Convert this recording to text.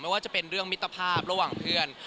ว่าจะเป็นเรื่องมิตรภาพระหว่างเพื่อน